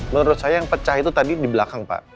menurut saya yang pecah itu tadi di belakang pak